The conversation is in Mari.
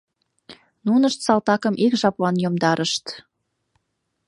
Нунышт салтакым ик жаплан йомдарышт.